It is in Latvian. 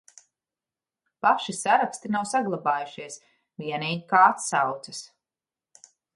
Paši saraksti nav saglabājušies, vienīgi kā atsauces.